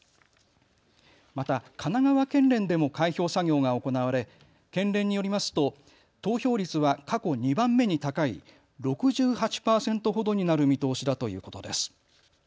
また神奈川県連でも開票作業が行われ、県連によりますと投票率は過去２番目に高い６８％ほどになる見通しだということです。